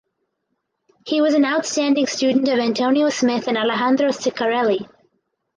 He was an outstanding student of Antonio Smith and Alejandro Ciccarelli.